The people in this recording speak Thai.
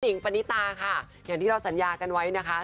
ปณิตาค่ะอย่างที่เราสัญญากันไว้นะคะ